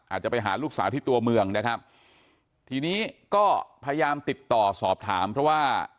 อาจจะไปหาลูกสาวที่ตัวเมืองนะครับทีนี้ก็พยายามติดต่อสอบถามเพราะว่า